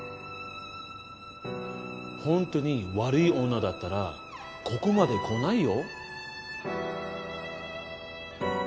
ほんとに悪い女だったらここまで来ないよ。